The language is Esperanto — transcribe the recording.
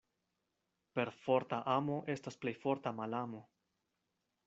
Perforta amo estas plej forta malamo.